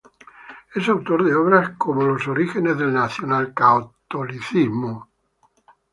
Es autor de obras como "Los orígenes del nacionalcatolicismo.